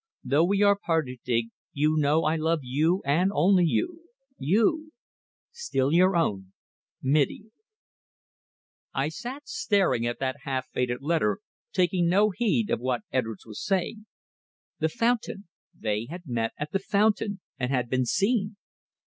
Though we are parted, Dig, you know I love you and only you you! Still your own MITTIE." I sat staring at that half faded letter, taking no heed of what Edwards was saying. The fountain! They had met at the fountain, and had been seen!